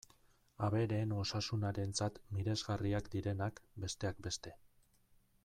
Abereen osasunarentzat miresgarriak direnak, besteak beste.